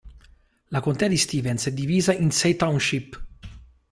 La contea di Stevens è divisa in sei township.